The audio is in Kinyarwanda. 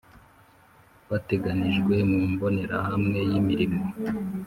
bateganijwe mu mbonerahamwe y’imirimo